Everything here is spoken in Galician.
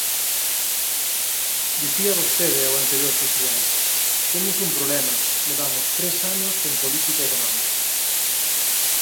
Dicía vostede ao anterior presidente: Temos un problema, levamos tres anos sen política económica.